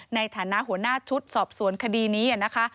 ในฐานะหัวหน้าชุดสอบสวนคดีนี้นะคะ